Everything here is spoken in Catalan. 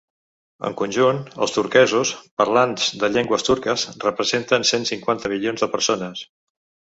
En conjunt, els turquesos, parlants de llengües turques, representen cent cinquanta milions de persones.